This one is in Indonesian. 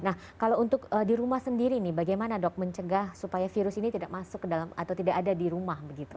nah kalau untuk di rumah sendiri nih bagaimana dok mencegah supaya virus ini tidak masuk ke dalam atau tidak ada di rumah begitu